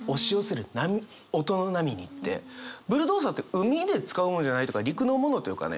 ブルドーザーって海で使うものじゃないというか陸のものというかね。